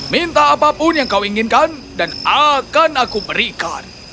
minta apapun yang kau inginkan dan akan aku berikan